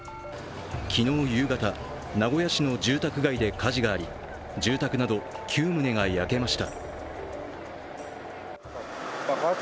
昨日夕方、名古屋市の住宅街で火事があり住宅など、９棟が焼けました。